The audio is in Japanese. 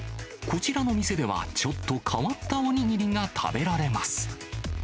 こちらの店では、ちょっと変わったお握りが食べられます。